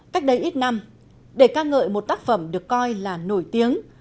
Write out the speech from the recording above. cách đây ít năm để ca ngợi một tác phẩm được coi là nổi tiếng